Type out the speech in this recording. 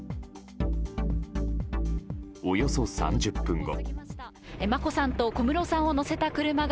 およそ３０分後。